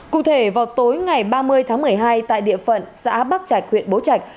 cụ thể vào tối ngày ba mươi tháng một mươi hai tại địa phận xã bắc trạch huyện bố trạch